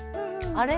あれ？